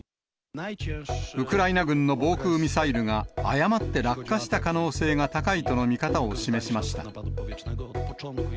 ウクライナ軍の防空ミサイルが、誤って落下した可能性が高いとの見方を示しました。